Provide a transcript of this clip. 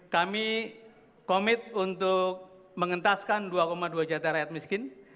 kami komit untuk mengentaskan dua dua juta rakyat miskin